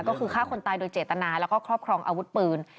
ก็คือฆ่าคนตายโดยเจตนาแล้วก็ครอบครองอาวุธปืน